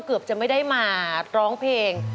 เกือบจะไม่ได้มาร้องเพลง